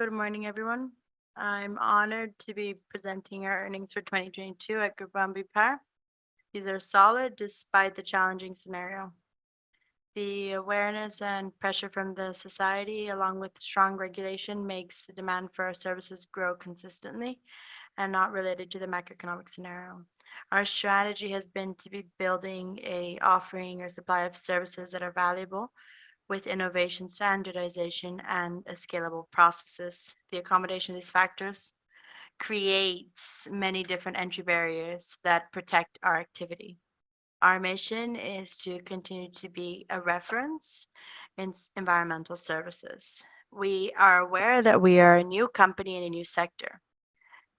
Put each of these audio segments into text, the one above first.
Good morning, everyone. I'm honored to be presenting our earnings for 2022 at Grupo Ambipar. These are solid despite the challenging scenario. The awareness and pressure from the society, along with strong regulation, makes the demand for our services grow consistently and not related to the macroeconomic scenario. Our strategy has been to be building a offering or supply of services that are valuable with innovation, standardization, and scalable processes. The accommodation of these factors creates many different entry barriers that protect our activity. Our mission is to continue to be a reference in environmental services. We are aware that we are a new company in a new sector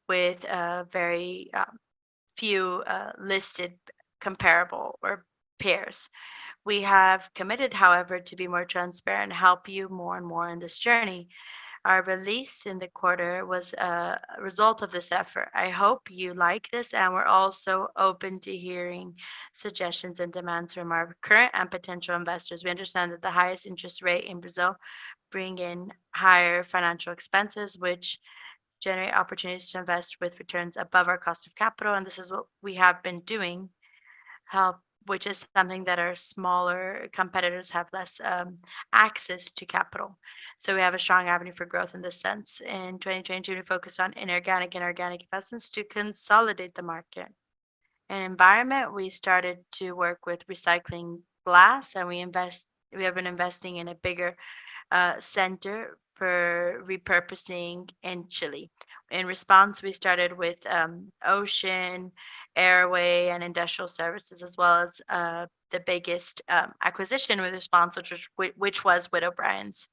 with very few listed comparable or peers. We have committed, however, to be more transparent, help you more and more in this journey. Our release in the quarter was a result of this effort. I hope you like this. We're also open to hearing suggestions and demands from our current and potential investors. We understand that the highest interest rate in Brazil bring in higher financial expenses, which generate opportunities to invest with returns above our cost of capital, and this is what we have been doing, which is something that our smaller competitors have less access to capital. We have a strong avenue for growth in this sense. In 2022, we focused on inorganic and organic investments to consolidate the market. In environment, we started to work with recycling glass, and we have been investing in a bigger center for repurposing in Chile. In response, we started with ocean, airway, and industrial services, as well as the biggest acquisition with response, which was Witt O'Brien's.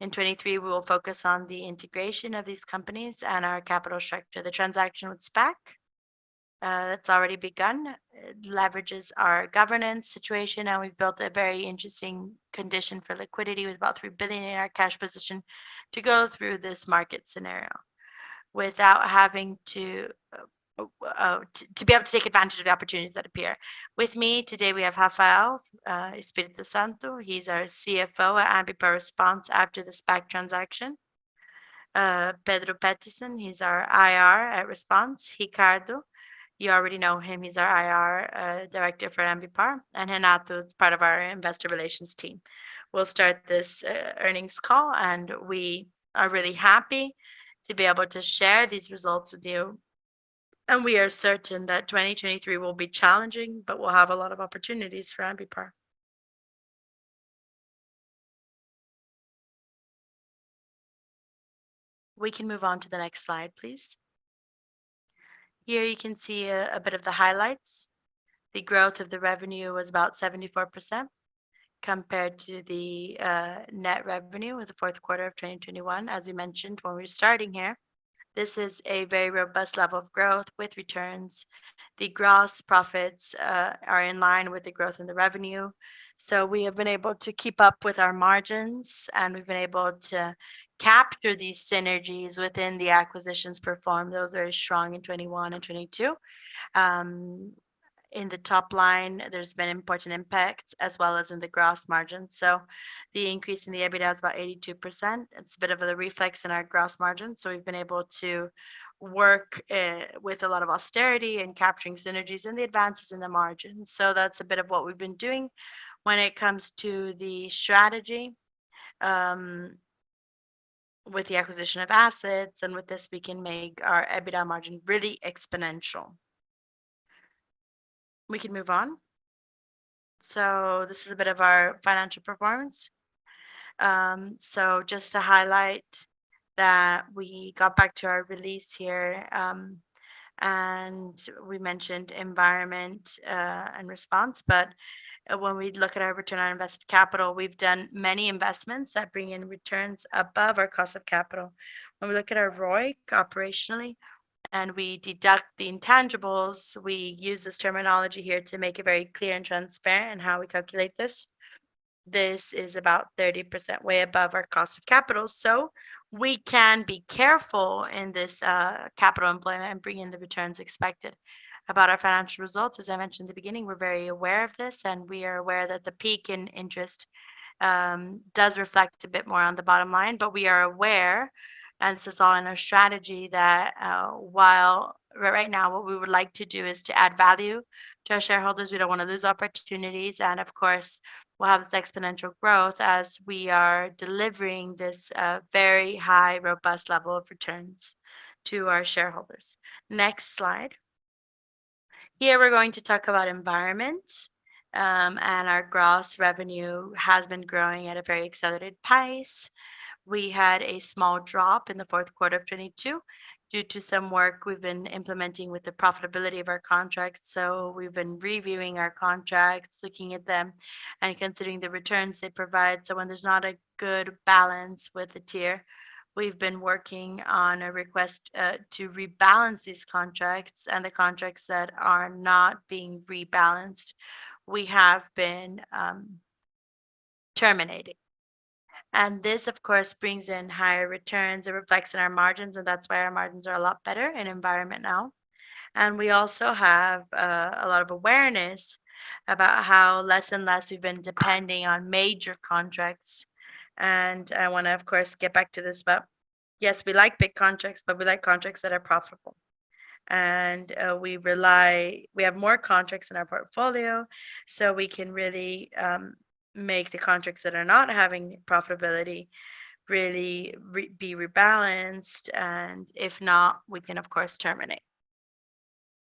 In 2023, we will focus on the integration of these companies and our capital structure. The transaction with SPAC that's already begun. It leverages our governance situation, and we've built a very interesting condition for liquidity with about $3 billion in our cash position to go through this market scenario without having to be able to take advantage of the opportunities that appear. With me today, we have Rafael Espírito Santo. He's our CFO at Ambipar Response after the SPAC transaction. Pedro Petersen, he's our IR at Response. Ricardo, you already know him, he's our IR director for Ambipar. Renato is part of our investor relations team. We'll start this earnings call, and we are really happy to be able to share these results with you. We are certain that 2023 will be challenging, but we'll have a lot of opportunities for Ambipar. We can move on to the next slide, please. Here you can see a bit of the highlights. The growth of the revenue was about 74% compared to the net revenue with the fourth quarter of 2021, as we mentioned when we were starting here. This is a very robust level of growth with returns. The gross profits are in line with the growth in the revenue. We have been able to keep up with our margins, and we've been able to capture these synergies within the acquisitions performed. Those are strong in 21 and 22. In the top line, there's been important impact as well as in the gross margin. The increase in the EBITDA is about 82%. It's a bit of a reflex in our gross margin. We've been able to work with a lot of austerity and capturing synergies and the advances in the margin. That's a bit of what we've been doing when it comes to the strategy, with the acquisition of assets, and with this we can make our EBITDA margin really exponential. We can move on. This is a bit of our financial performance. Just to highlight that we got back to our release here, and we mentioned environment and response. When we look at our return on invested capital, we've done many investments that bring in returns above our cost of capital. When we look at our ROIC operationally and we deduct the intangibles, we use this terminology here to make it very clear and transparent in how we calculate this. This is about 30% way above our cost of capital. We can be careful in this capital employment and bring in the returns expected. About our financial results, as I mentioned at the beginning, we're very aware of this, and we are aware that the peak in interest does reflect a bit more on the bottom line. We are aware, and this is all in our strategy, that while right now what we would like to do is to add value to our shareholders. We don't wanna lose opportunities, and of course, we'll have this exponential growth as we are delivering this very high, robust level of returns to our shareholders. Next slide. Here we're going to talk about environments, and our gross revenue has been growing at a very accelerated pace. We had a small drop in the fourth quarter of 2022 due to some work we've been implementing with the profitability of our contracts. We've been reviewing our contracts, looking at them, and considering the returns they provide. When there's not a good balance with the tier, we've been working on a request to rebalance these contracts, and the contracts that are not being rebalanced, we have been terminating. This, of course, brings in higher returns. It reflects in our margins, and that's why our margins are a lot better in environment now. We also have a lot of awareness about how less and less we've been depending on major contracts, and I wanna, of course, get back to this about. Yes, we like big contracts, but we like contracts that are profitable. We have more contracts in our portfolio, so we can really make the contracts that are not having profitability really be rebalanced, if not, we can of course terminate.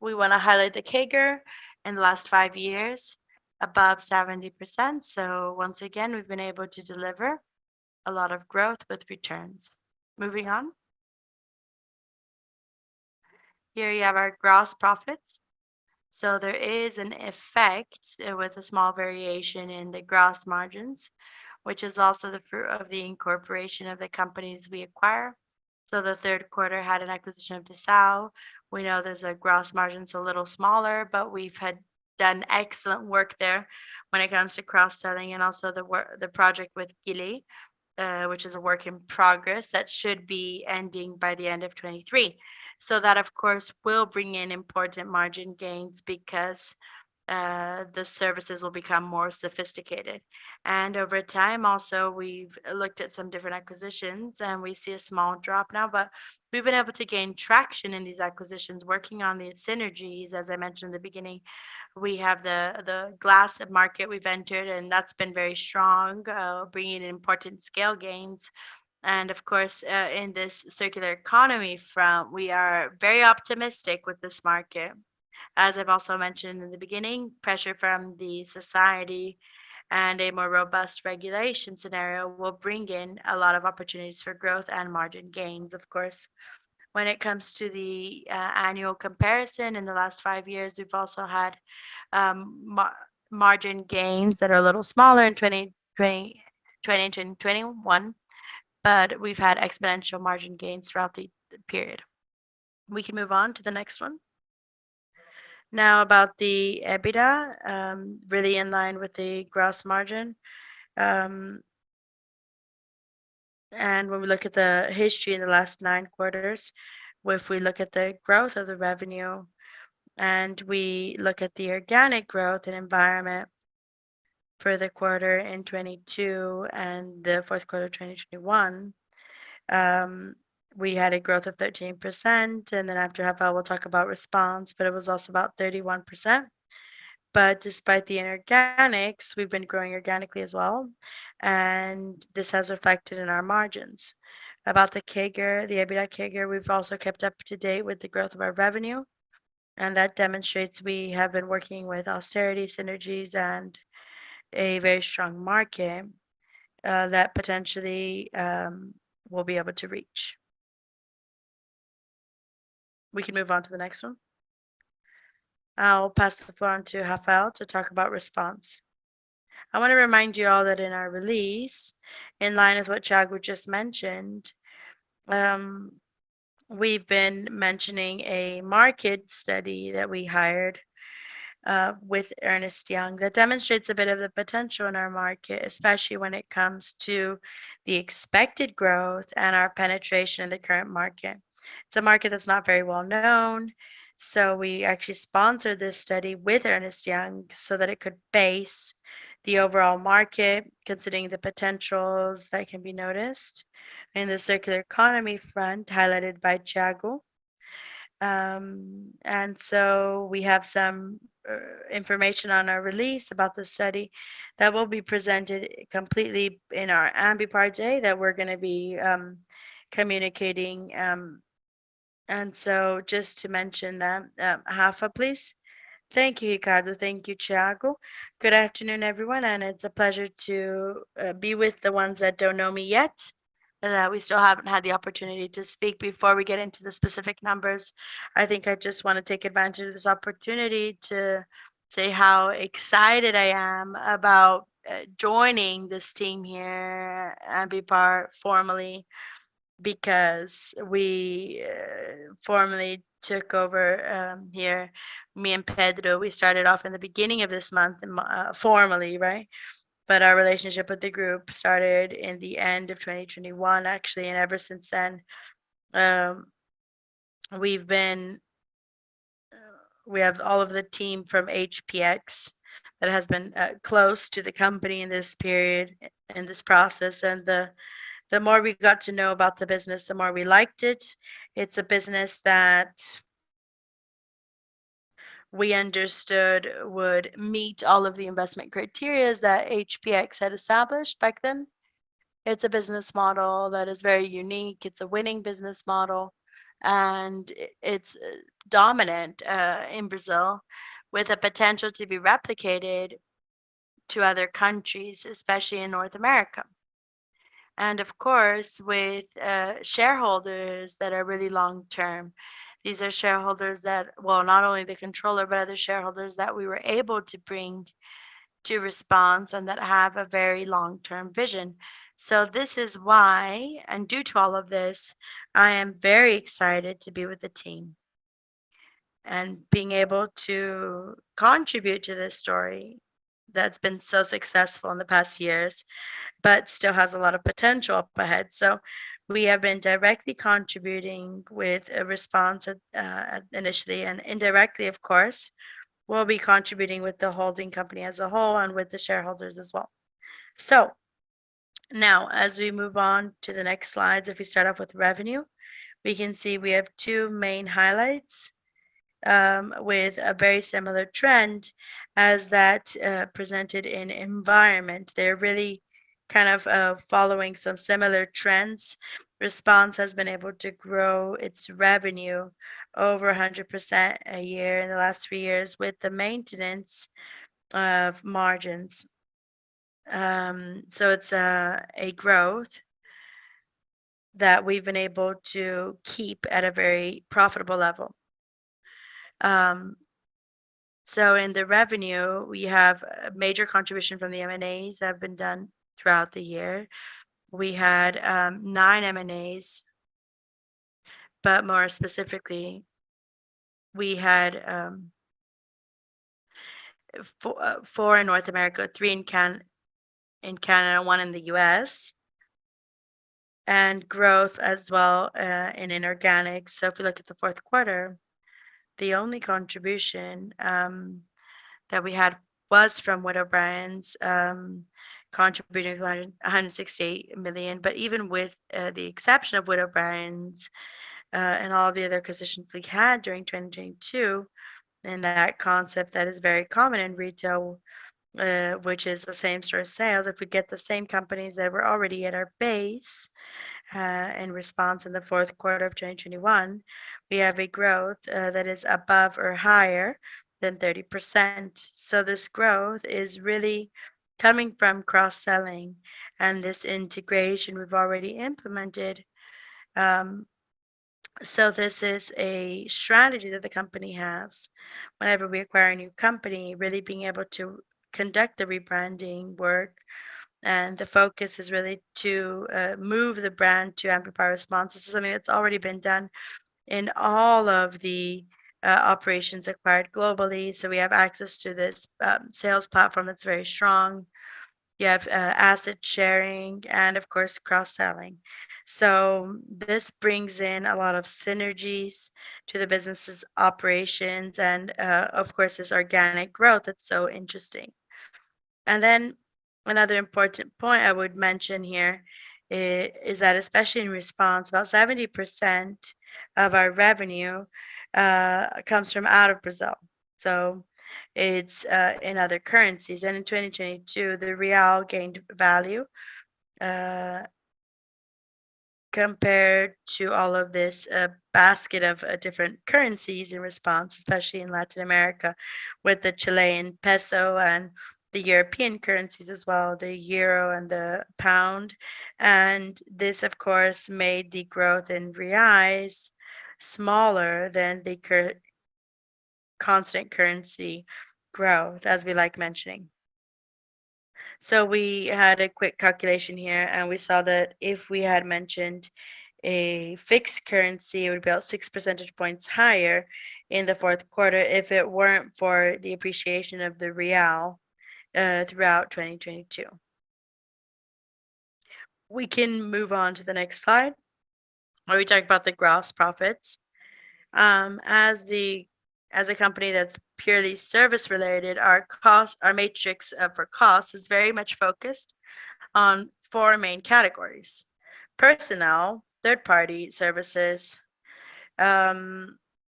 We wanna highlight the CAGR in the last 5 years, above 70%. Once again, we've been able to deliver a lot of growth with returns. Moving on. Here you have our gross profits. There is an effect with a small variation in the gross margins, which is also the fruit of the incorporation of the companies we acquire. The third quarter had an acquisition of Disal. We know there's a gross margins a little smaller, we've had done excellent work there when it comes to cross-selling and also the project with GIRI, which is a work in progress that should be ending by the end of 23. That, of course, will bring in important margin gains because the services will become more sophisticated. Over time, also, we've looked at some different acquisitions, and we see a small drop now. We've been able to gain traction in these acquisitions, working on the synergies, as I mentioned in the beginning. We have the glass market we've entered, and that's been very strong, bringing important scale gains. Of course, in this circular economy front, we are very optimistic with this market. As I've also mentioned in the beginning, pressure from the society and a more robust regulation scenario will bring in a lot of opportunities for growth and margin gains, of course. When it comes to the annual comparison in the last five years, we've also had margin gains that are a little smaller in 2018, 2021, but we've had exponential margin gains throughout the period. We can move on to the next one. About the EBITDA, really in line with the gross margin. When we look at the history in the last nine quarters, if we look at the growth of the revenue, and we look at the organic growth and environment for the quarter in 2022 and the 4th quarter of 2021, we had a growth of 13%. After Rafael will talk about response, but it was also about 31%. Despite the inorganics, we've been growing organically as well, and this has affected in our margins. About the CAGR, the EBITDA CAGR, we've also kept up to date with the growth of our revenue, that demonstrates we have been working with austerity, synergies, and a very strong market that potentially we'll be able to reach. We can move on to the next one. I'll pass the floor on to Rafael to talk about response. I wanna remind you all that in our release, in line with what Thiago just mentioned, we've been mentioning a market study that we hired with Ernst & Young, that demonstrates a bit of the potential in our market, especially when it comes to the expected growth and our penetration in the current market. It's a market that's not very well known, so we actually sponsored this study with Ernst & Young so that it could base the overall market considering the potentials that can be noticed in the circular economy front highlighted by Thiago. We have some information on our release about the study that will be presented completely in our Ambipar Day that we're gonna be communicating. Just to mention that, Rafa, please. Thank you, Ricardo. Thank you, Thiago. Good afternoon, everyone, and it's a pleasure to be with the ones that don't know me yet, that we still haven't had the opportunity to speak. Before we get into the specific numbers, I think I just wanna take advantage of this opportunity to say how excited I am about joining this team here at Ambipar formally, because we formally took over here. Me and Pedro, we started off in the beginning of this month formally, right? Our relationship with the group started in the end of 2021, actually. Ever since then, we have all of the team from HPX that has been close to the company in this period, in this process. The more we got to know about the business, the more we liked it. It's a business that we understood would meet all of the investment criteria's that HPX had established back then. It's a business model that is very unique. It's a winning business model, and it's dominant in Brazil, with a potential to be replicated to other countries, especially in North America. Of course, with shareholders that are really long term. These are shareholders that not only the controller, but other shareholders that we were able to bring to Ambipar Response and that have a very long-term vision. This is why, and due to all of this, I am very excited to be with the team and being able to contribute to this story that's been so successful in the past years, but still has a lot of potential up ahead. We have been directly contributing with Ambipar Response initially, and indirectly, of course, we'll be contributing with the holding company as a whole and with the shareholders as well. Now, as we move on to the next slides, if we start off with revenue, we can see we have two main highlights, with a very similar trend as that presented in Environment. They're really kind of following some similar trends. Response has been able to grow its revenue over 100% a year in the last three years with the maintenance of margins. It's a growth that we've been able to keep at a very profitable level. In the revenue, we have a major contribution from the M&As that have been done throughout the year. We had nine M&As, but more specifically, we had four in North America, three in Canada, one in the U.S., and growth as well in inorganic. If you look at the fourth quarter, the only contribution that we had was from Witt O'Brien's, contributing 168 million. Even with the exception of Witt O'Brien's and all the other acquisitions we had during 2022, and that concept that is very common in retail, which is the same-store sales. If we get the same companies that were already at our base, in response in the fourth quarter of 2021, we have a growth that is above or higher than 30%. This growth is really coming from cross-selling and this integration we've already implemented. This is a strategy that the company has. Whenever we acquire a new company, really being able to conduct the rebranding work, and the focus is really to move the brand to Ambipar Response. This is something that's already been done in all of the operations acquired globally. We have access to this sales platform that's very strong. You have asset sharing and of course, cross-selling. This brings in a lot of synergies to the business's operations and of course, this organic growth that's so interesting. Another important point I would mention here is that, especially in Response, about 70% of our revenue comes from out of Brazil. It's in other currencies. In 2022, the Real gained value compared to all of this basket of different currencies in Response, especially in Latin America with the Chilean peso and the European currencies as well, the euro and the pound. This, of course, made the growth in Reais smaller than the constant currency growth, as we like mentioning. We had a quick calculation here, and we saw that if we had mentioned a fixed currency, it would be about six percentage points higher in the fourth quarter if it weren't for the appreciation of the Real throughout 2022. We can move on to the next slide, where we talk about the gross profits. As a company that's purely service-related, our matrix for cost is very much focused on four main categories: personnel, third-party services,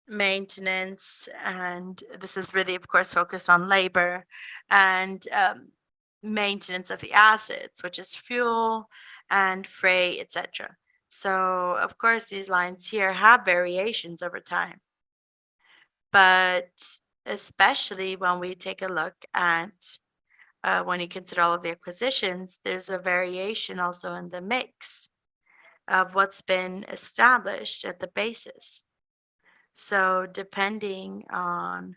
maintenance, and this is really, of course, focused on labor and maintenance of the assets, which is fuel and freight, et cetera. Of course, these lines here have variations over time. Especially when we take a look at, when you consider all of the acquisitions, there's a variation also in the mix of what's been established at the basis. Depending on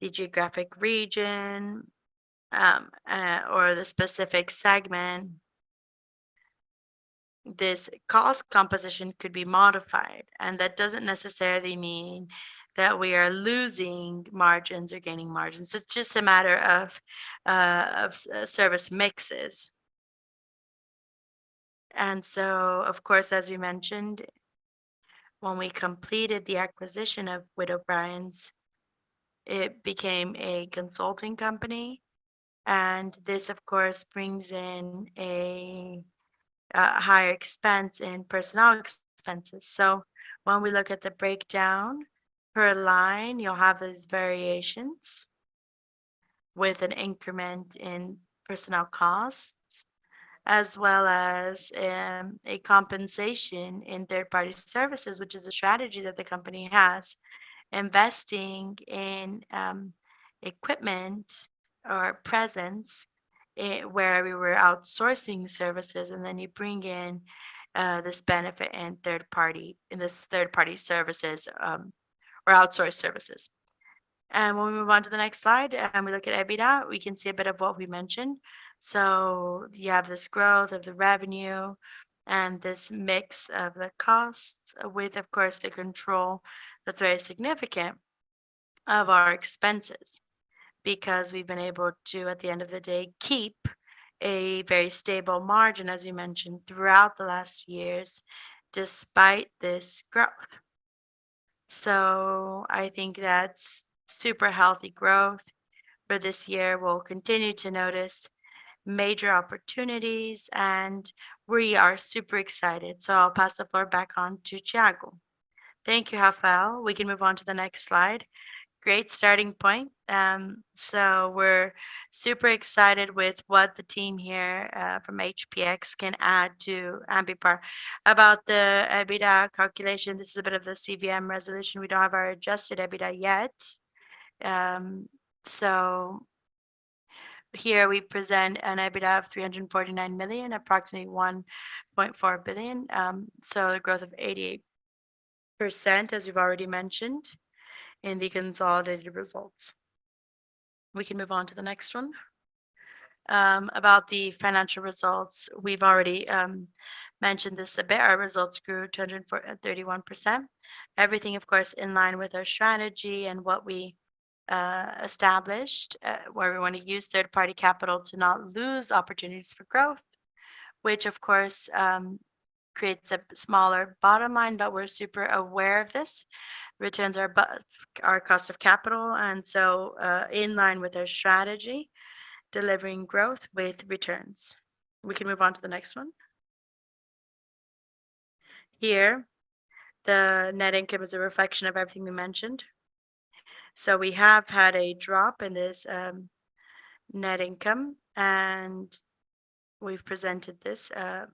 the geographic region, or the specific segment, this cost composition could be modified, and that doesn't necessarily mean that we are losing margins or gaining margins. It's just a matter of service mixes. Of course, as you mentioned, when we completed the acquisition of Witt O'Brien's, it became a consulting company. This, of course, brings in a higher expense in personnel expenses. When we look at the breakdown per line, you'll have these variations with an increment in personnel costs, as well as a compensation in third-party services, which is a strategy that the company has, investing in equipment or presence where we were outsourcing services, and then you bring in this benefit in this third-party services or outsourced services. When we move on to the next slide and we look at EBITDA, we can see a bit of what we mentioned. You have this growth of the revenue and this mix of the costs with, of course, the control that's very significant of our expenses. We've been able to, at the end of the day, keep a very stable margin, as you mentioned, throughout the last years, despite this growth. I think that's super healthy growth for this year. We'll continue to notice major opportunities. We are super excited. I'll pass the floor back on to Thiago. Thank you, Rafael. We can move on to the next slide. Great starting point. We're super excited with what the team here from HPX can add to Ambipar. About the EBITDA calculation, this is a bit of the CVM resolution. We don't have our adjusted EBITDA yet. Here we present an EBITDA of 349 million, approximately 1.4 billion. A growth of 88%, as you've already mentioned, in the consolidated results. We can move on to the next one. About the financial results, we've already mentioned this a bit. Our results grew 231%. Everything, of course, in line with our strategy and what we established where we wanna use third-party capital to not lose opportunities for growth, which of course creates a smaller bottom line. We're super aware of this. Returns are cost of capital, in line with our strategy, delivering growth with returns. We can move on to the next one. Here, the net income is a reflection of everything we mentioned. We have had a drop in this net income, and we've presented this a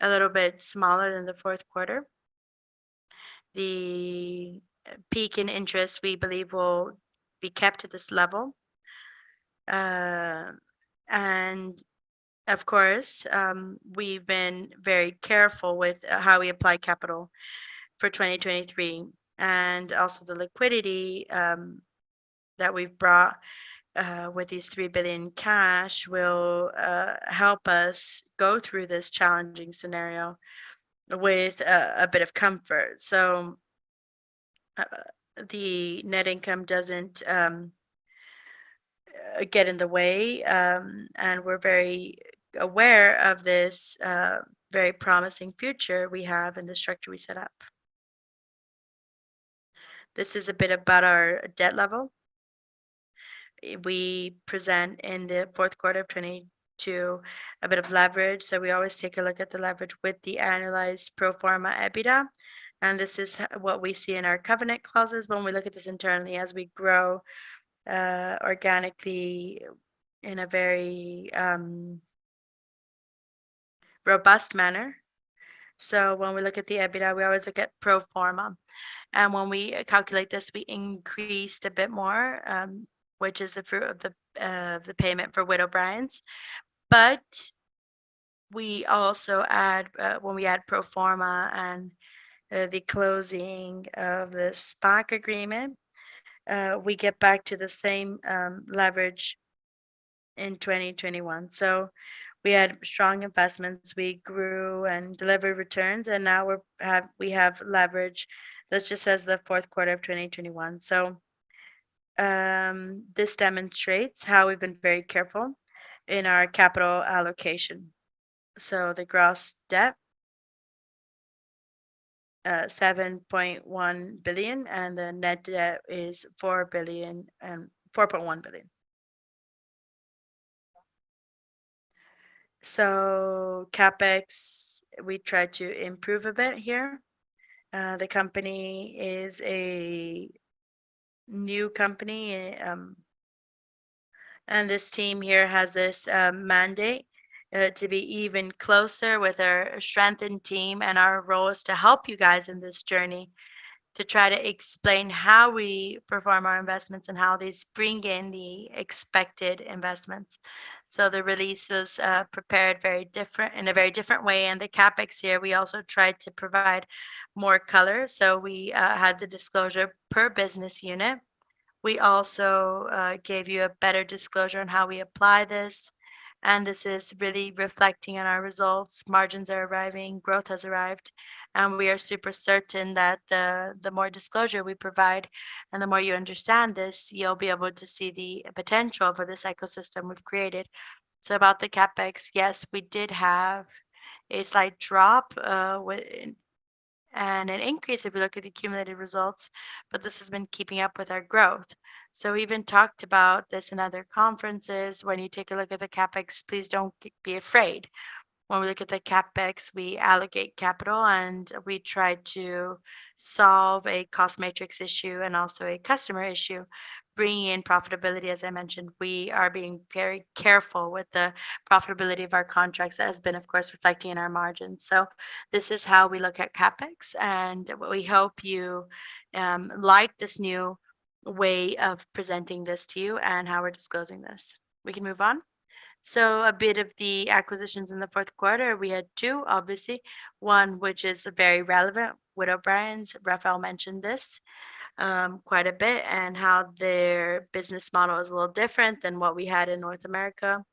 little bit smaller than the fourth quarter. The peak in interest, we believe, will be kept at this level. Of course, we've been very careful with how we apply capital for 2023. Also the liquidity that we've brought with these three billion cash will help us go through this challenging scenario with a bit of comfort. The net income doesn't get in the way, and we're very aware of this very promising future we have and the structure we set up. This is a bit about our debt level. We present in the fourth quarter of 2022 a bit of leverage. We always take a look at the leverage with the analyzed pro forma EBITDA, and this is what we see in our covenant clauses when we look at this internally as we grow organically in a very robust manner. When we look at the EBITDA, we always look at pro forma. When we calculate this, we increased a bit more, which is the fruit of the payment for Witt O'Brien's. We also add, when we add pro forma and the closing of the stock agreement, we get back to the same leverage in 2021. We had strong investments. We grew and delivered returns, and now we have leverage that's just as the fourth quarter of 2021. This demonstrates how we've been very careful in our capital allocation. The gross debt, 7.1 billion, and the net debt is 4 billion, 4.1 billion. CapEx, we tried to improve a bit here. The company is a new company. This team here has this mandate to be even closer with our strengthened team, and our role is to help you guys in this journey to try to explain how we perform our investments and how these bring in the expected investments. The release is prepared very different, in a very different way. The CapEx here, we also tried to provide more color, so we had the disclosure per business unit. We also gave you a better disclosure on how we apply this, and this is really reflecting on our results. Margins are arriving, growth has arrived, and we are super certain that the more disclosure we provide and the more you understand this, you'll be able to see the potential for this ecosystem we've created. About the CapEx, yes, we did have a slight drop with... An increase if we look at the cumulative results, but this has been keeping up with our growth. We even talked about this in other conferences. When you take a look at the CapEx, please don't be afraid. When we look at the CapEx, we allocate capital, and we try to solve a cost matrix issue and also a customer issue, bringing in profitability. As I mentioned, we are being very careful with the profitability of our contracts. That has been, of course, reflecting in our margins. This is how we look at CapEx, and we hope you like this new way of presenting this to you and how we're disclosing this. We can move on. A bit of the acquisitions in the fourth quarter. We had two, obviously. One which is very relevant, Witt O'Brien's. Rafael mentioned this, quite a bit and how their business model is a little different than what we had in North America.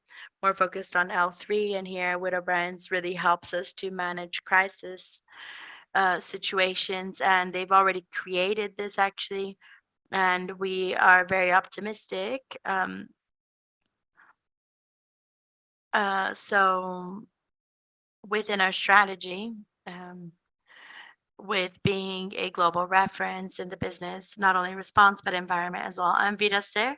More focused on Witt O'Brien's really helps us to manage crisis situations. They've already created this actually, and we are very optimistic. Within our strategy, with being a global reference in the business, not only response but environment as well, and Vida-cert,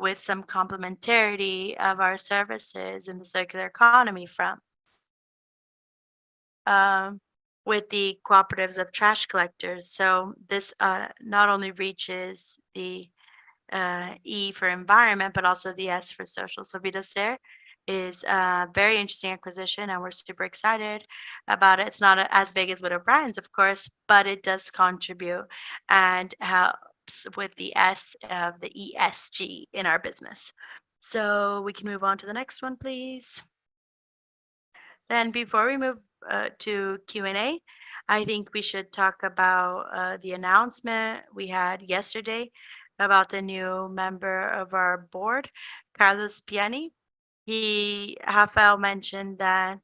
with some complementarity of our services in the circular economy front, with the cooperatives of trash collectors. This not only reaches the E for environment, but also the S for social. Vida-cert is a very interesting acquisition, and we're super excited about it. It's not as big as Witt O'Brien's, of course, but it does contribute and helps with the S of the ESG in our business. We can move on to the next one, please. Before we move to Q&A, I think we should talk about the announcement we had yesterday about the new member of our board, Carlos Piani. Rafael mentioned that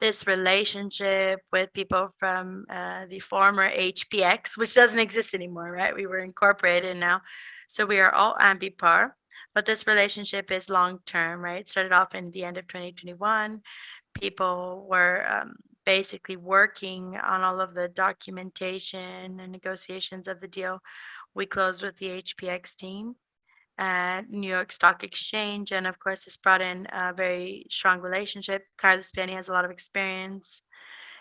this relationship with people from the former HPX, which doesn't exist anymore, right? We were incorporated now. We are all Ambipar, but this relationship is long-term, right? It started off in the end of 2021. People were basically working on all of the documentation and negotiations of the deal. We closed with the HPX team at New York Stock Exchange, and of course, this brought in a very strong relationship. Carlos Piani has a lot of experience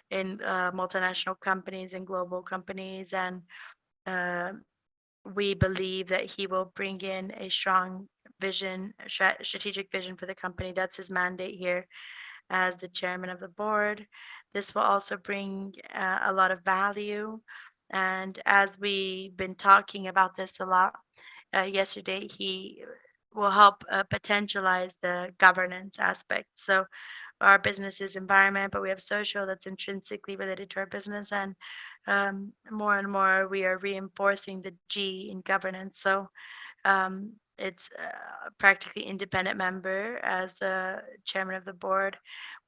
in multinational companies and global companies, and we believe that he will bring in a strong strategic vision for the company. That's his mandate here as the chairman of the board. This will also bring a lot of value. As we've been talking about this a lot yesterday, he will help potentialize the governance aspect. Our business is environment, but we have social that's intrinsically related to our business. More and more we are reinforcing the G in governance. It's a practically independent member as a chairman of the board,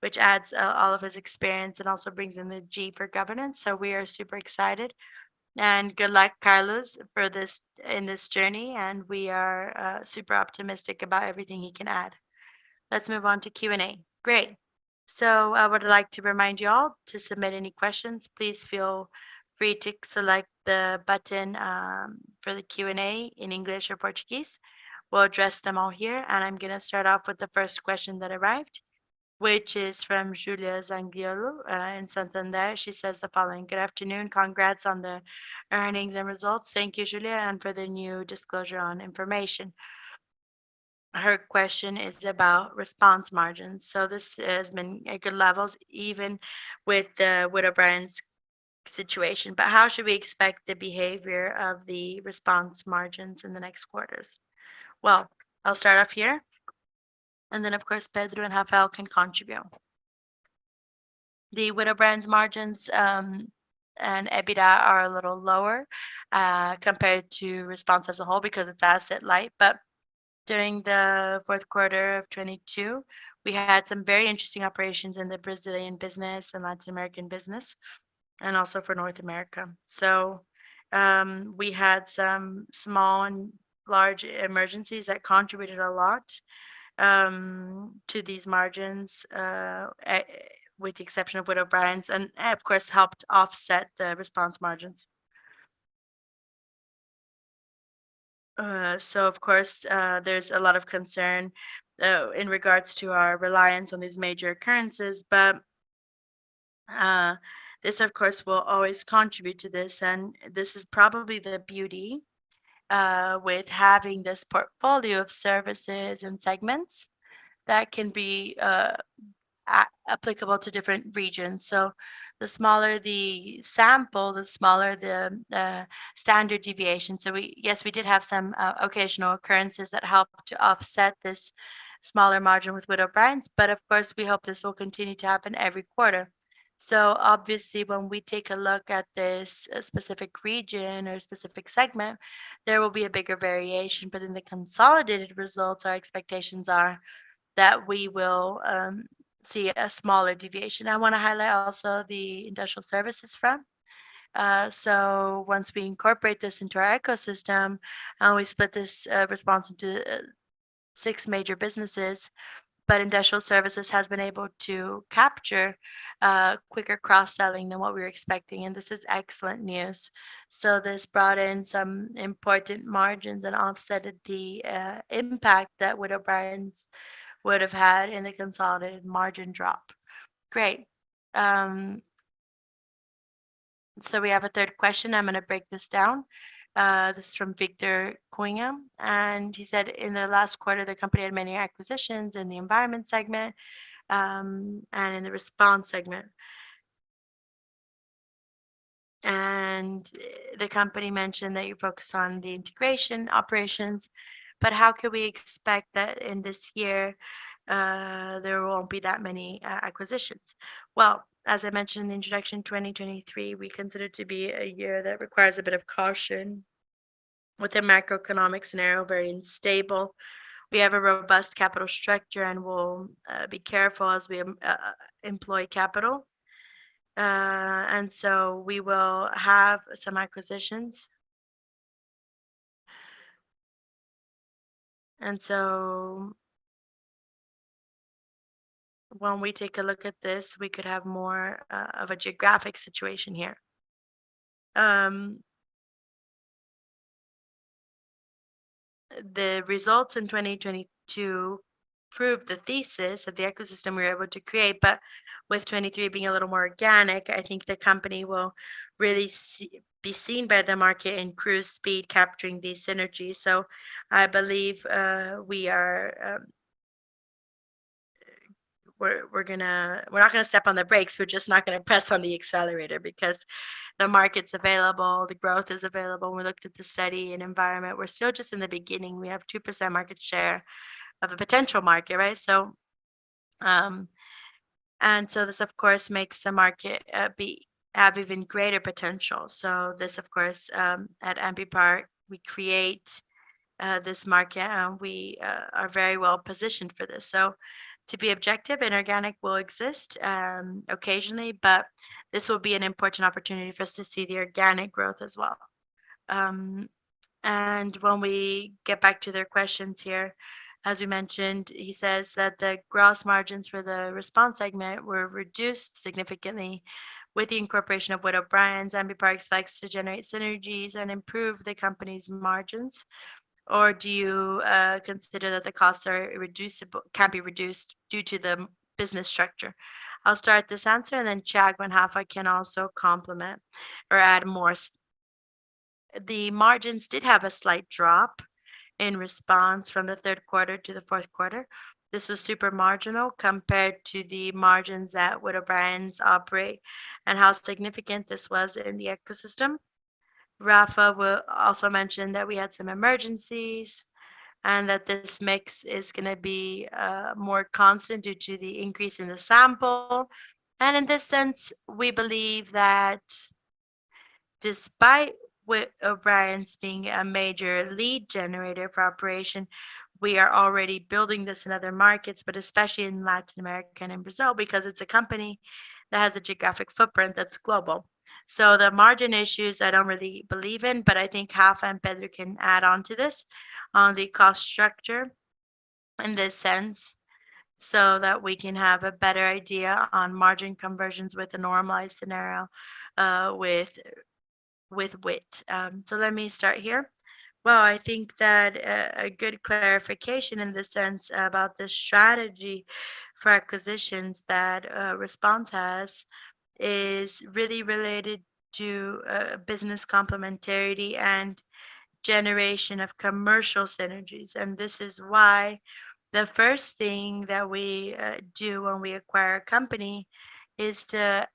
which adds all of his experience and also brings in the G for governance. We are super excited. Good luck, Carlos, in this journey, and we are super optimistic about everything he can add. Let's move on to Q&A. Great. I would like to remind you all to submit any questions. Please feel free to select the button for the Q&A in English or Portuguese. We'll address them all here. I'm gonna start off with the first question that arrived, which is from Julia Zangrillo in Santander. She says the following: "Good afternoon. Congrats on the earnings and results." Thank you, Julia, and for the new disclosure on information. Her question is about response margins. This has been at good levels even with the Witt O'Brien's situation. How should we expect the behavior of the response margins in the next quarters? I'll start off here, and then of course, Pedro and Rafael can contribute. The Witt O'Brien's margins and EBITDA are a little lower compared to response as a whole because it's asset-light. During the fourth quarter of 2022, we had some very interesting operations in the Brazilian business and Latin American business, and also for North America. We had some small and large emergencies that contributed a lot to these margins, with the exception of Witt O'Brien's, and of course, helped offset the response margins. Of course, there's a lot of concern in regards to our reliance on these major occurrences. This of course will always contribute to this, and this is probably the beauty with having this portfolio of services and segments that can be applicable to different regions. The smaller the sample, the smaller the standard deviation. We... Yes, we did have some occasional occurrences that helped to offset this smaller margin with Witt O'Brien's, but of course, we hope this will continue to happen every quarter. Obviously, when we take a look at this specific region or specific segment, there will be a bigger variation. In the consolidated results, our expectations are that we will see a smaller deviation. I want to highlight also the industrial services front. Once we incorporate this into our ecosystem, and we split this response into six major businesses, but industrial services has been able to capture quicker cross-selling than what we were expecting, and this is excellent news. This brought in some important margins and offsetted the impact that Witt O'Brien's would have had in the consolidated margin drop. Great. We have a third question. I'm gonna break this down. This is from Victor Cunha, and he said, "In the last quarter, the company had many acquisitions in the environment segment, and in the response segment. The company mentioned that you focus on the integration operations, but how could we expect that in this year, there won't be that many acquisitions?" Well, as I mentioned in the introduction, 2023, we consider to be a year that requires a bit of caution with the macroeconomic scenario very unstable. We have a robust capital structure, and we'll be careful as we employ capital. We will have some acquisitions. When we take a look at this, we could have more of a geographic situation here. The results in 2022 proved the thesis of the ecosystem we were able to create. With 2023 being a little more organic, I think the company will really be seen by the market and cruise speed capturing these synergies. I believe we are not going to step on the brakes. We're just not going to press on the accelerator because the market's available. The growth is available. We looked at the study and environment. We're still just in the beginning. We have 2% market share of a potential market, right? This, of course, makes the market have even greater potential. This, of course, at Ambipar, we create this market and we are very well positioned for this. To be objective and organic will exist occasionally, but this will be an important opportunity for us to see the organic growth as well. When we get back to their questions here, as you mentioned, he says that the gross margins for the response segment were reduced significantly with the incorporation Witt O'Brien's. Ambipar likes to generate synergies and improve the company's margins. Do you consider that the costs can be reduced due to the business structure? I'll start this answer and then Thiago and Rafa can also complement or add more. The margins did have a slight drop in response from the third quarter to the fourth quarter. This is super marginal compared to the margins Witt O'Brien's operate and how significant this was in the ecosystem. Rafa will also mention that we had some emergencies and that this mix is going to be more constant due to the increase in the sample. In this sense, we believe that despite Witt O'Brien's being a major lead generator for operation, we are already building this in other markets, but especially in Latin America and in Brazil, because it's a company that has a geographic footprint that's global. The margin issues I don't really believe in, but I think Rafa and Pedro can add on to this on the cost structure. In this sense, so that we can have a better idea on margin conversions with the normalized scenario with Witt O'Brien's. Let me start here. Well, I think that a good clarification in this sense about the strategy for acquisitions that Response has is really related to business complementarity and generation of commercial synergies. This is why the first thing that we do when we acquire a company is to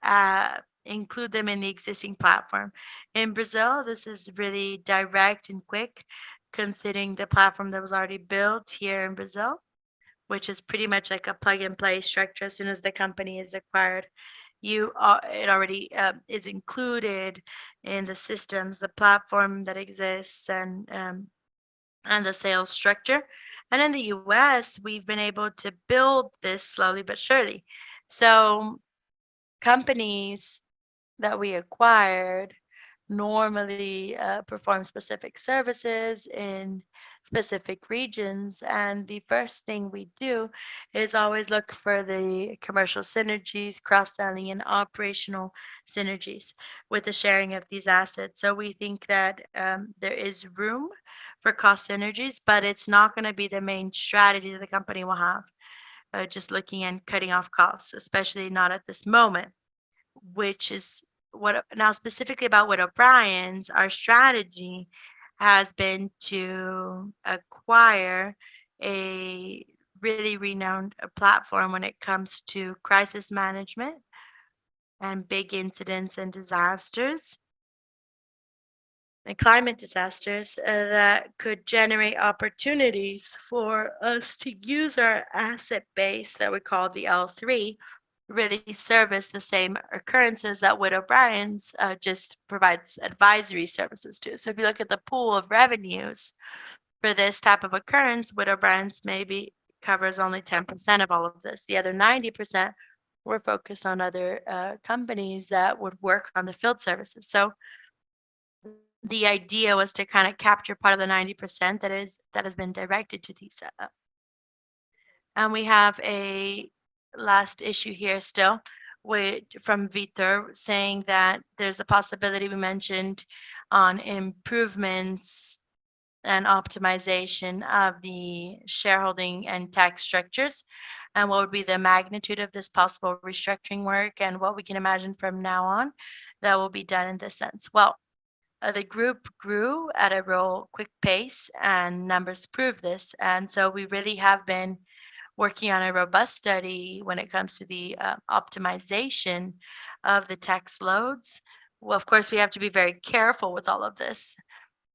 include them in the existing platform. In Brazil, this is really direct and quick considering the platform that was already built here in Brazil, which is pretty much like a plug and play structure. As soon as the company is acquired, it already is included in the systems, the platform that exists and the sales structure. In the U.S., we've been able to build this slowly but surely. Companies that we acquired normally perform specific services in specific regions. The first thing we do is always look for the commercial synergies, cross-selling and operational synergies with the sharing of these assets. We think that there is room for cost synergies, but it's not going to be the main strategy that the company will have, just looking and cutting off costs, especially not at this moment. Specifically Witt O'Brien's, our strategy has been to acquire a really renowned platform when it comes to crisis management and big incidents and disasters and climate disasters that could generate opportunities for us to use our asset base that we call the L3, really service the same occurrences Witt O'Brien's just provides advisory services to. If you look at the pool of revenues for this type of Witt O'Brien's maybe covers only 10% of all of this. The other 90% were focused on other companies that would work on the field services. The idea was to kind of capture part of the 90% that has been directed to this setup. We have a last issue here still from Vitor saying that there's a possibility we mentioned on improvements and optimization of the shareholding and tax structures. What would be the magnitude of this possible restructuring work and what we can imagine from now on that will be done in this sense? Well, the group grew at a real quick pace and numbers prove this. We really have been working on a robust study when it comes to the optimization of the tax loads. Well, of course, we have to be very careful with all of this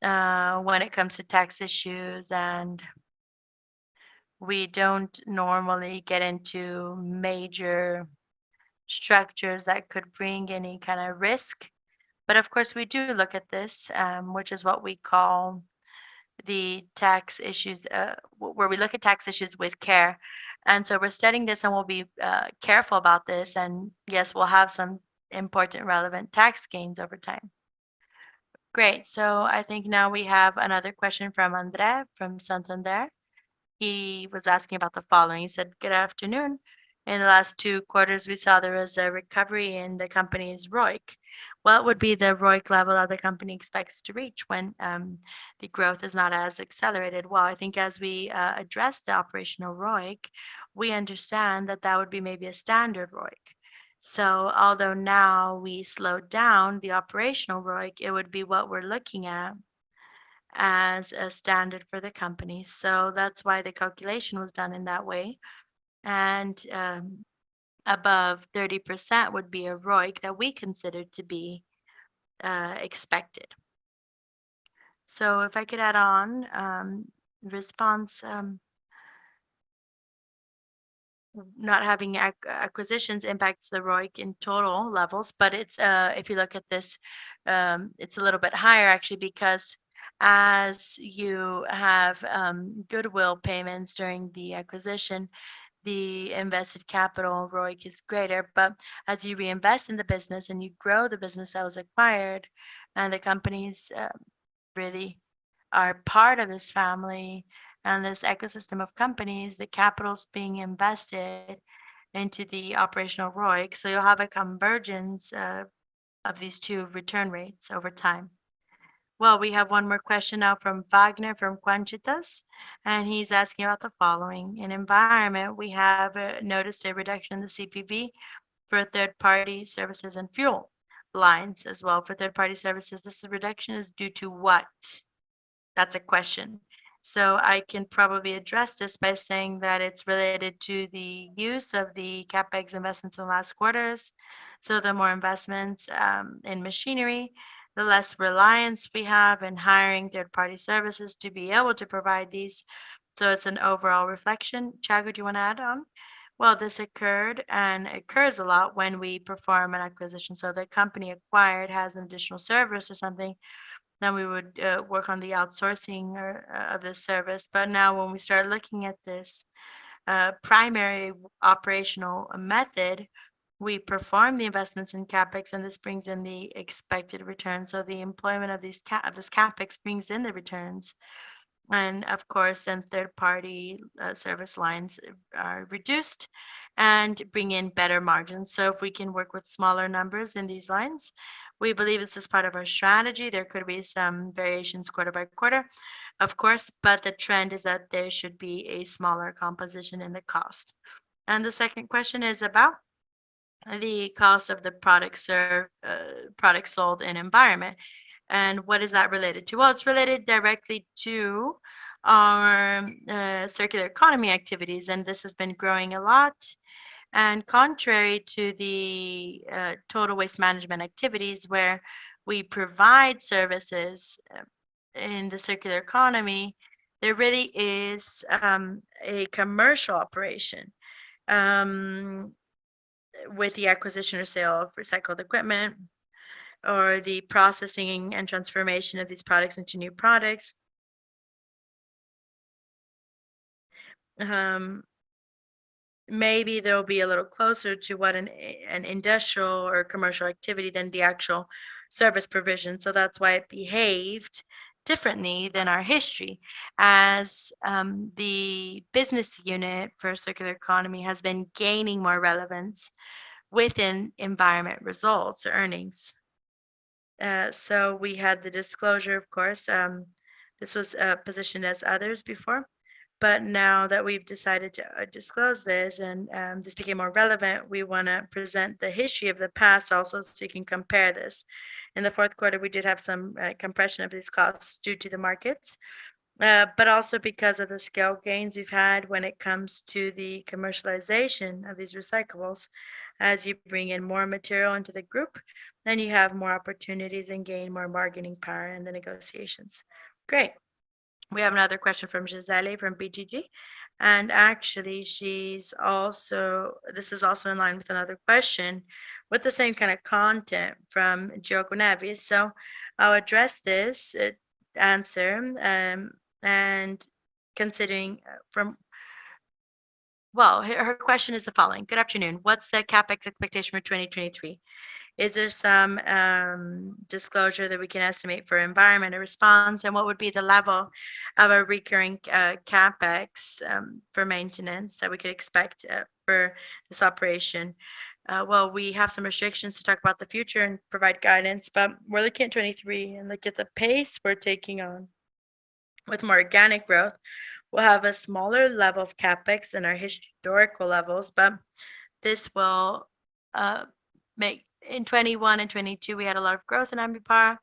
when it comes to tax issues. We don't normally get into major structures that could bring any kind of risk. But of course, we do look at this, the tax issues, where we look at tax issues with care. We're studying this and we'll be careful about this. Yes, we'll have some important relevant tax gains over time. Great. I think now we have another question from Andrea from Santander. He was asking about the following. He said, "Good afternoon. In the last 2 quarters, we saw there was a recovery in the company's ROIC. What would be the ROIC level that the company expects to reach when the growth is not as accelerated?" Well, I think as we address the operational ROIC, we understand that that would be maybe a standard ROIC. Although now we slowed down the operational ROIC, it would be what we're looking at as a standard for the company. That's why the calculation was done in that way. Above 30% would be a ROIC that we consider to be expected. If I could add on, Ambipar Response, not having acquisitions impacts the ROIC in total levels, but it's, if you look at this, it's a little bit higher actually because as you have goodwill payments during the acquisition, the invested capital ROIC is greater. As you reinvest in the business and you grow the business that was acquired, and the companies really are part of this family and this ecosystem of companies, the capital's being invested into the operational ROIC. You'll have a convergence of these two return rates over time. Well, we have one more question now from Vagner from Quantitas, and he's asking about the following. "In environment, we have noticed a reduction in the CPV for third-party services and fuel lines as well. For third-party services, this reduction is due to what?" That's a question. I can probably address this by saying that it's related to the use of the CapEx investments in the last quarters. The more investments in machinery, the less reliance we have in hiring third-party services to be able to provide these. It's an overall reflection. Thiago, do you want to add on? This occurred and occurs a lot when we perform an acquisition. The company acquired has an additional service or something, then we would work on the outsourcing or, of this service. Now when we start looking at this primary operational method, we perform the investments in CapEx, and this brings in the expected return. The employment of this CapEx brings in the returns. Of course, then third-party service lines are reduced and bring in better margins. If we can work with smaller numbers in these lines, we believe this is part of our strategy. There could be some variations quarter by quarter, of course, but the trend is that there should be a smaller composition in the cost. The second question is about the cost of the products or products sold in environment and what is that related to. It's related directly to our circular economy activities, and this has been growing a lot. Contrary to the total waste management activities where we provide services in the circular economy, there really is a commercial operation with the acquisition or sale of recycled equipment or the processing and transformation of these products into new products. Maybe they'll be a little closer to what an industrial or commercial activity than the actual service provision. That's why it behaved differently than our history as the business unit for circular economy has been gaining more relevance within environment results or earnings. We had the disclosure, of course. This was positioned as others before. Now that we've decided to disclose this and this became more relevant, we want to present the history of the past also so you can compare this. In the fourth quarter, we did have some compression of these costs due to the markets, but also because of the scale gains we've had when it comes to the commercialization of these recyclables. As you bring in more material into the group, you have more opportunities and gain more bargaining power in the negotiations. Great. We have another question from Gisele from BTG. Actually, she's also... This is also in line with another question with the same kind of content from Guilherme Levy. I'll address this answer. Well, her question is the following: "Good afternoon. What's the CapEx expectation for 2023? Is there some disclosure that we can estimate for environment or response? What would be the level of a recurring CapEx for maintenance that we could expect for this operation?" We have some restrictions to talk about the future and provide guidance, but we're looking at 2023. Look at the pace we're taking on with more organic growth. We'll have a smaller level of CapEx than our historical levels, but this will make... In 21 and 22, we had a lot of growth in Ambipar,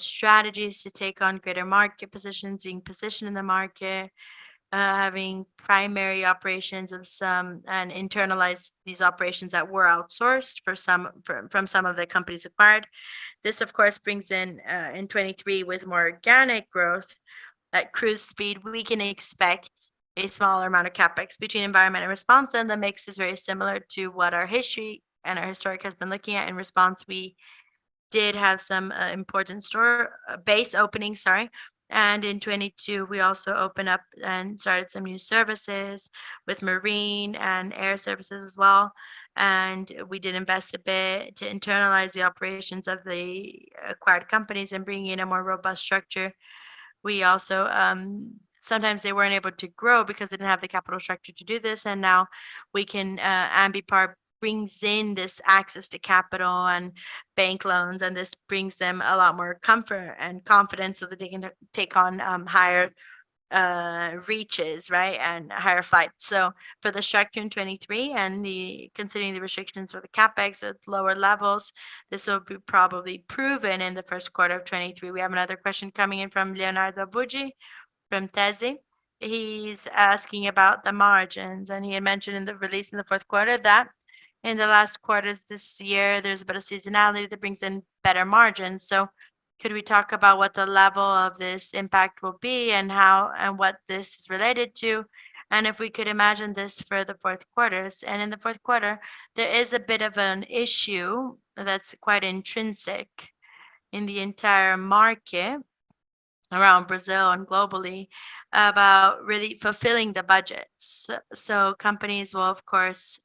strategies to take on greater market positions, being positioned in the market, having primary operations of some, and internalize these operations that were outsourced from some of the companies acquired. This, of course, brings in 23 with more organic growth. At cruise speed, we can expect a smaller amount of CapEx between environment and response, and the mix is very similar to what our history and our historic has been looking at. In response, we did have some important base opening, sorry. In 2022, we also opened up and started some new services with marine and air services as well. We did invest a bit to internalize the operations of the acquired companies and bring in a more robust structure. We also, sometimes they weren't able to grow because they didn't have the capital structure to do this. Now we can, Ambipar brings in this access to capital and bank loans. This brings them a lot more comfort and confidence so that they can take on higher reaches, right, and higher flights. For the structure in 2023 considering the restrictions with the CapEx at lower levels, this will be probably proven in the first quarter of 2023. We have another question coming in from Leonardo Bugi from Tesi. He's asking about the margins. He had mentioned in the release in the fourth quarter that in the last quarters this year, there's a bit of seasonality that brings in better margins. Could we talk about what the level of this impact will be and how, and what this is related to, and if we could imagine this for the fourth quarters. In the fourth quarter, there is a bit of an issue that's quite intrinsic in the entire market around Brazil and globally about really fulfilling the budgets. So companies will of course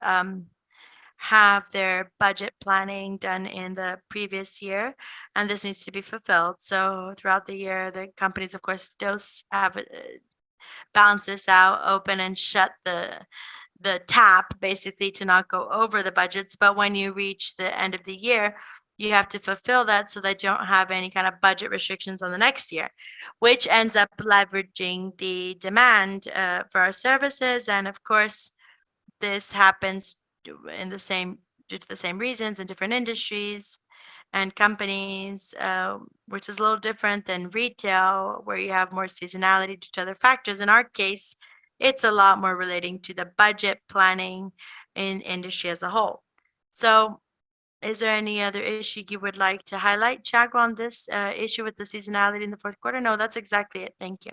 have their budget planning done in the previous year, and this needs to be fulfilled. Throughout the year, the companies of course, balance this out, open and shut the tap basically to not go over the budgets. When you reach the end of the year, you have to fulfill that, so they don't have any kind of budget restrictions on the next year, which ends up leveraging the demand for our services. Of course, this happens due to the same reasons in different industries and companies, which is a little different than retail, where you have more seasonality due to other factors. In our case, it's a lot more relating to the budget planning in industry as a whole. Is there any other issue you would like to highlight, Thiago, on this issue with the seasonality in the fourth quarter? No, that's exactly it. Thank you.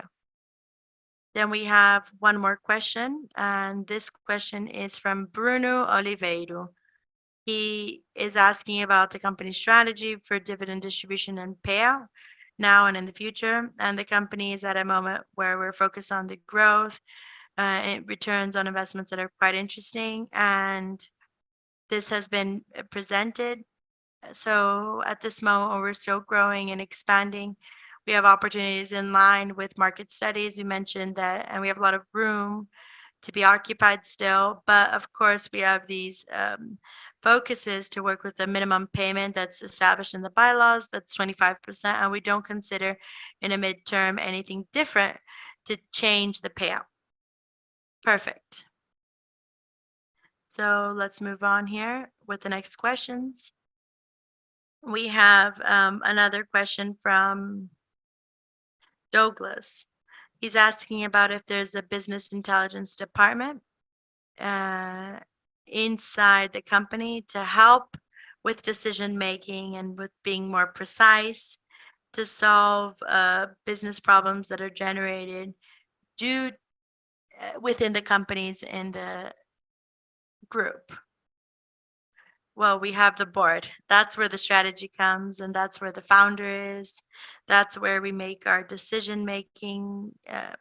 We have one more question, and this question is from Bruno Oliveira. He is asking about the company's strategy for dividend distribution and payout now and in the future. The company is at a moment where we're focused on the growth and returns on investments that are quite interesting, and this has been presented. At this moment, we're still growing and expanding. We have opportunities in line with market studies. We have a lot of room to be occupied still. Of course, we have these focuses to work with the minimum payment that's established in the bylaws, that's 25%, and we don't consider in a midterm anything different to change the payout. Perfect. Let's move on here with the next questions. We have another question from Douglas. He's asking about if there's a business intelligence department inside the company to help with decision-making and with being more precise to solve business problems that are generated due within the companies in the group. Well, we have the board. That's where the strategy comes, and that's where the founder is. That's where we make our decision-making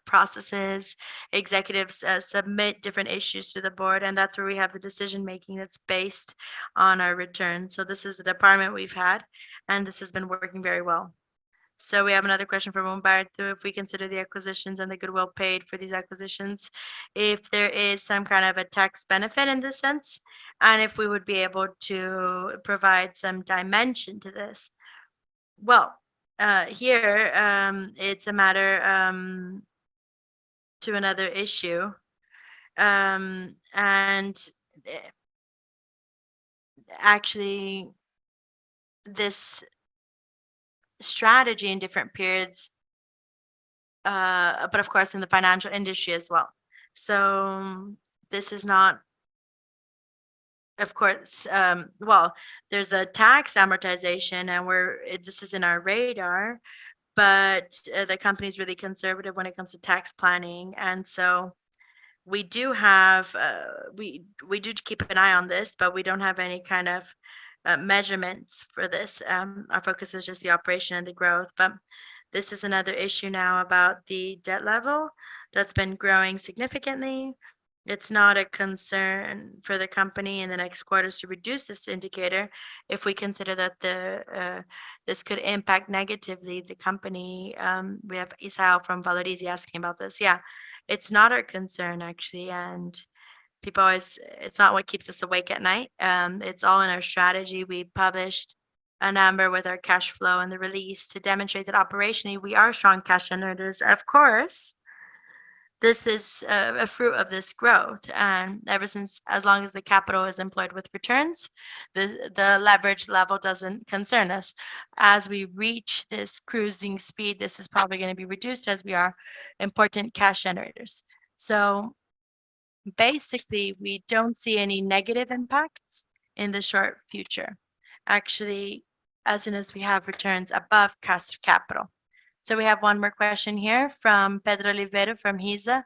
processes. Executives submit different issues to the board, that's where we have the decision-making that's based on our returns. This is the department we've had, and this has been working very well. We have another question from Umberto. If we consider the acquisitions and the goodwill paid for these acquisitions, if there is some kind of a tax benefit in this sense, and if we would be able to provide some dimension to this. Well, here, it's a matter to another issue. Actually this strategy in different periods, of course in the financial industry as well. Of course, well, there's a tax amortization and it just is in our radar, the company is really conservative when it comes to tax planning. We do have, we do keep an eye on this, but we don't have any kind of measurements for this. Our focus is just the operation and the growth. This is another issue now about the debt level that's been growing significantly. It's not a concern for the company in the next quarters to reduce this indicator if we consider that this could impact negatively the company. We have Isao from Valore D, he's asking about this. Yeah, it's not our concern actually. It's not what keeps us awake at night. It's all in our strategy. We published a number with our cash flow in the release to demonstrate that operationally we are strong cash generators. Of course, this is a fruit of this growth. Ever since, as long as the capital is employed with returns, the leverage level doesn't concern us. As we reach this cruising speed, this is probably gonna be reduced as we are important cash generators. Basically, we don't see any negative impacts in the short future. Actually, as soon as we have returns above cost of capital. So we have one more question here from Pedro Oliveira from HISA.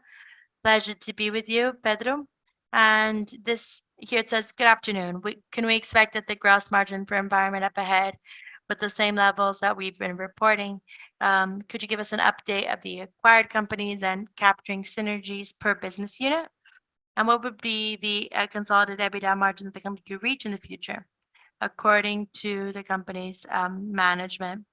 Pleasure to be with you, Pedro. This here it says, "Good afternoon. Can we expect that the gross margin for environment up ahead with the same levels that we've been reporting? Could you give us an update of the acquired companies and capturing synergies per business unit? What would be the consolidated EBITDA margin that the company could reach in the future according to the company's management?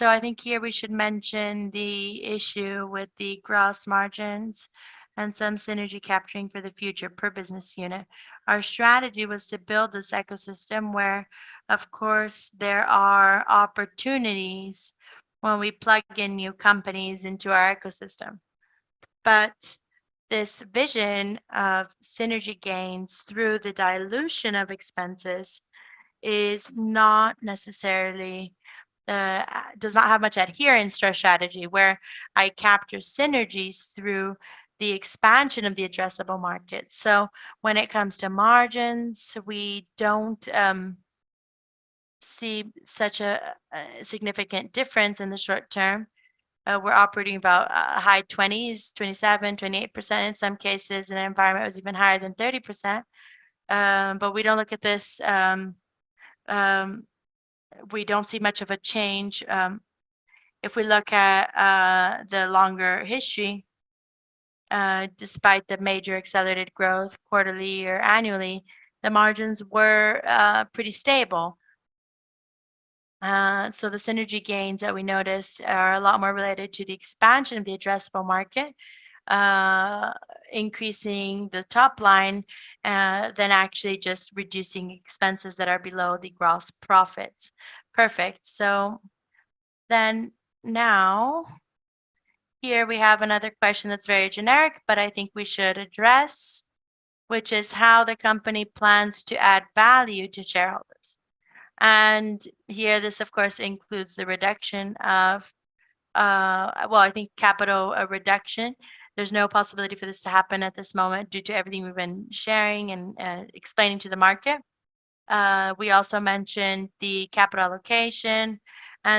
I think here we should mention the issue with the gross margins and some synergy capturing for the future per business unit. Our strategy was to build this ecosystem where, of course, there are opportunities when we plug in new companies into our ecosystem. This vision of synergy gains through the dilution of expenses is not necessarily does not have much adherence to our strategy, where I capture synergies through the expansion of the addressable market. When it comes to margins, we don't see such a significant difference in the short term. We're operating about high twenties, 27%-28% in some cases. In Environment, it was even higher than 30%. We don't look at this. We don't see much of a change if we look at the longer history. Despite the major accelerated growth quarterly or annually, the margins were pretty stable. The synergy gains that we noticed are a lot more related to the expansion of the addressable market, increasing the top line, than actually just reducing expenses that are below the gross profits. Perfect. Here we have another question that's very generic, but I think we should address, which is how the company plans to add value to shareholders. Here, this, of course, includes the reduction of, well, I think capital reduction. There's no possibility for this to happen at this moment due to everything we've been sharing and explaining to the market. We also mentioned the capital allocation,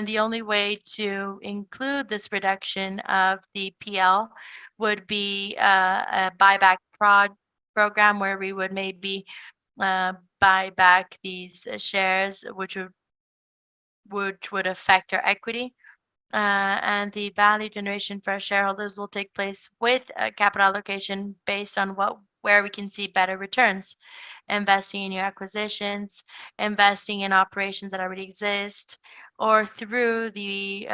the only way to include this reduction of the PL would be a buyback program where we would maybe buy back these shares which would affect our equity. The value generation for our shareholders will take place with a capital allocation based on where we can see better returns, investing in new acquisitions, investing in operations that already exist, or through the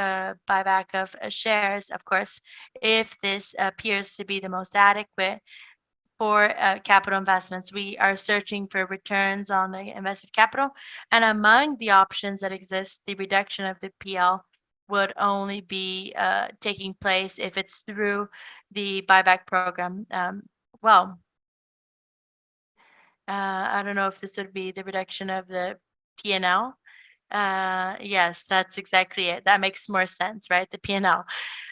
buyback of shares, of course, if this appears to be the most adequate for capital investments. We are searching for returns on the invested capital. Among the options that exist, the reduction of the PL would only be taking place if it's through the buyback program. Well, I don't know if this would be the reduction of the P&L. Yes, that's exactly it. That makes more sense, right? The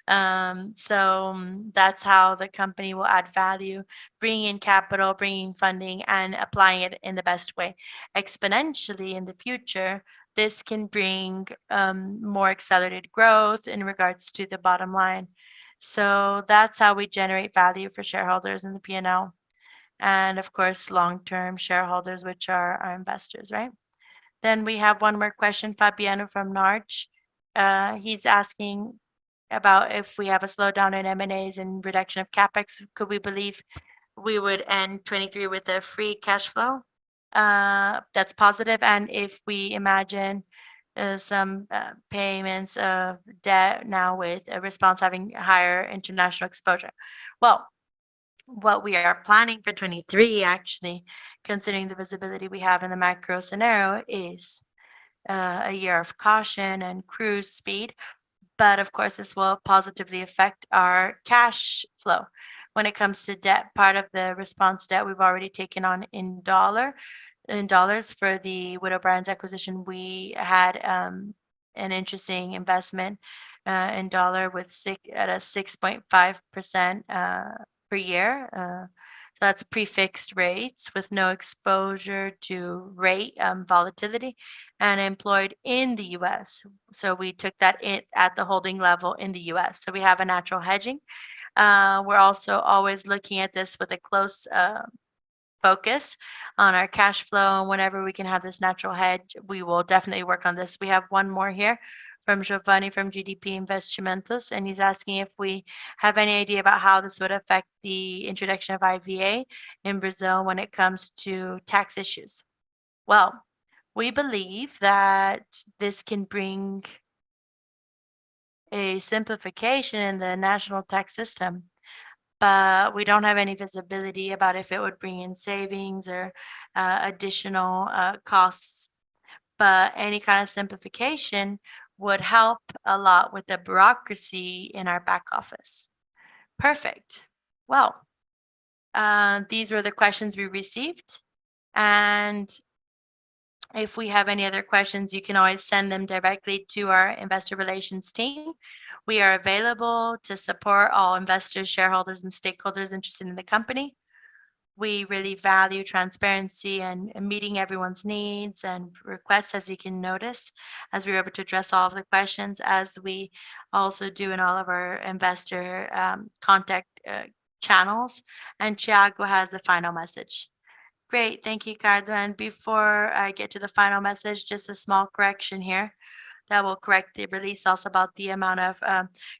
P&L. That's how the company will add value, bringing in capital, bringing funding, and applying it in the best way. Exponentially in the future, this can bring more accelerated growth in regards to the bottom line. That's how we generate value for shareholders in the P&L and of course long-term shareholders, which are our investors, right? We have one more question, Fabiano from Nau. He's asking about if we have a slowdown in M&As and reduction of CapEx, could we believe we would end 2023 with a free cash flow that's positive, and if we imagine some payments of debt now with Ambipar Response having higher international exposure? Well, what we are planning for 2023, actually, considering the visibility we have in the macro scenario, is a year of caution and cruise speed. Of course, this will positively affect our cash flow. When it comes to debt, part of the Response debt we've already taken on in dollars for the Woodle Brands acquisition. We had an interesting investment in USD at a 6.5% per year. That's prefixed rates with no exposure to rate volatility, and employed in the U.S. We took that in at the holding level in the U.S. We have a natural hedging. We're also always looking at this with a close focus on our cash flow. Whenever we can have this natural hedge, we will definitely work on this. We have one more here from Giovanni from GDP Investimentos, and he's asking if we have any idea about how this would affect the introduction of IVA in Brazil when it comes to tax issues. We believe that this can bring a simplification in the national tax system, but we don't have any visibility about if it would bring in savings or additional costs. Any kind of simplification would help a lot with the bureaucracy in our back office. Perfect. These were the questions we received. If we have any other questions, you can always send them directly to our investor relations team. We are available to support all investors, shareholders, and stakeholders interested in the company. We really value transparency and meeting everyone's needs and requests, as you can notice, as we were able to address all of the questions, as we also do in all of our investor contact channels. Thiago has the final message. Great. Thank you, Ricardo. Before I get to the final message, just a small correction here that will correct the release also about the amount of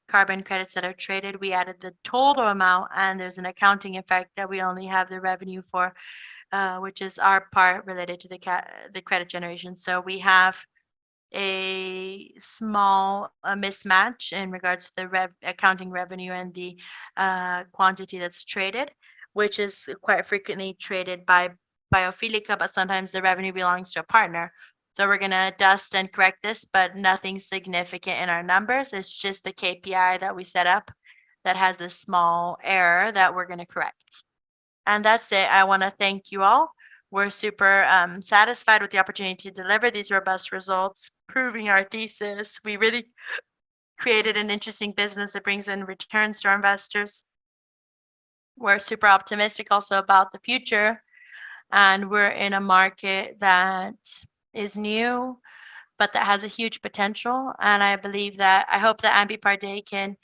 carbon credits that are traded. We added the total amount, and there's an accounting effect that we only have the revenue for, which is our part related to the credit generation. We have a small mismatch in regards to the accounting revenue and the quantity that's traded, which is quite frequently traded by Biofílica, but sometimes the revenue belongs to a partner. We're gonna adjust and correct this, but nothing significant in our numbers. It's just the KPI that we set up that has a small error that we're gonna correct. That's it. I wanna thank you all. We're super satisfied with the opportunity to deliver these robust results, proving our thesis. We really created an interesting business that brings in returns to our investors. We're super optimistic also about the future, and we're in a market that is new but that has a huge potential, and I hope that Ambipar Day can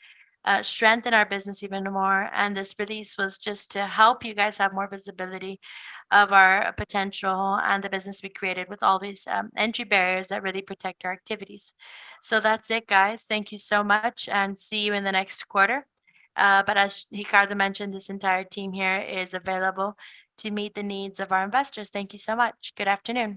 strengthen our business even more. This release was just to help you guys have more visibility of our potential and the business we created with all these entry barriers that really protect our activities. That's it, guys. Thank you so much, and see you in the next quarter. As Ricardo mentioned, this entire team here is available to meet the needs of our investors. Thank you so much. Good afternoon.